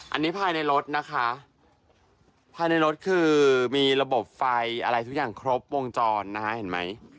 อันนี้ภายในรถนะคะภายในรถคือมีระบบไฟอะไรทุกอย่างครบวงจรนะคะเห็นไหม